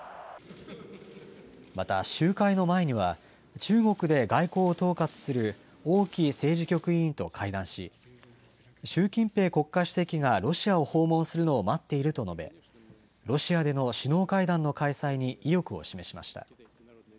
また、集会の前には、中国で外交を統括する、王毅政治局委員と会談し、習近平国家主席がロシアを訪問するのを待っていると述べ、ロシアでの首脳会談の開催に意欲を示しました。